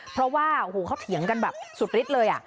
เพราะว่าโอ้โหเขาเถียงกันแบบสุดฤทธิ์เลย